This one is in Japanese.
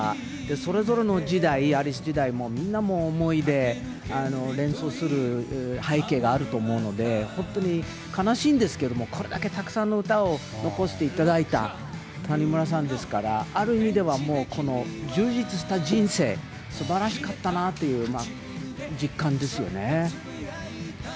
それぞれの時代、アリス時代も、みんなもう思い出、連想する背景があると思うので、本当に悲しいんですけれども、これだけたくさんの歌を残していただいた谷村さんですから、ある意味ではもう、充実した人生、すばらしかったなという実感ですよね。